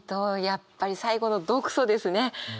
やっぱり最後の「毒素」ですね。